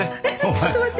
ちょっと待って。